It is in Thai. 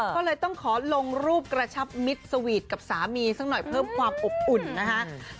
ก็เลยต้องขอลงรูปกระชับมิตรสวีทกับสามีสักหน่อยเพิ่มความอบอุ่นนะคะ